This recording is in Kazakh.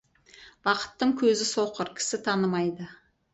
Бақыттың көзі — соқыр, кісі танымайды.